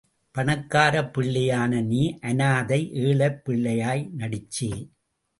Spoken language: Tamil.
பணக்காரப் பிள்ளையான நீ அனாதை ஏழைப் பிள்ளையாய் நடிச்சே.